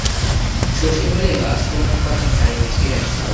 শশী বলিল, আজ তোমার কথা ভারি মিষ্টি লাগছে বৌ।